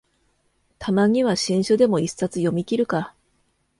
たまには新書でも一冊読みきるか